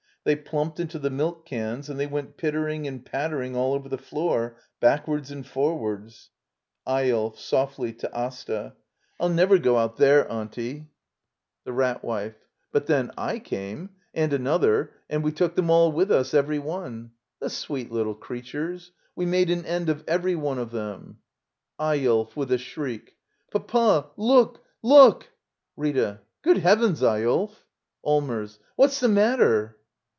They plumped into the milk cans, and they went pittering and pattering all over the floor, back wards and forwards. Eyolf. [Softly, to Asta.] FU never go out there, Auntie. The Rat Wife. But then / came — and an Digitized by VjOOQIC LITTLE EYOLF ^ Act i. Other. And we took them all with us, every one! The sweet little creatures! We made an end of every one of them. Eyolf. [With a shriek.] Papa — look! look! Rita. Good Heavens, Eyolf! Allmers. What's the matter?